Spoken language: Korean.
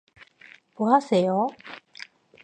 뭐 하세요?